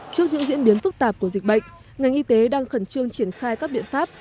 trước những diễn biến phức tạp của dịch bệnh ngành y tế đang khẩn trương triển khai các biện pháp